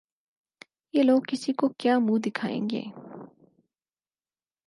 یہ لوگ کسی کو کیا منہ دکھائیں گے؟